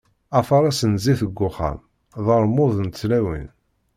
Afares n zzit deg uxxam, d armud n tlawin.